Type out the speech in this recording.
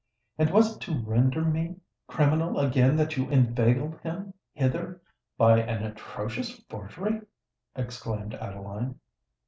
"And was it to render me criminal again that you inveigled him hither by an atrocious forgery?" exclaimed Adeline.